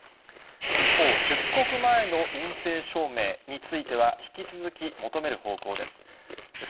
一方、出国前の陰性証明については、引き続き求める方向です。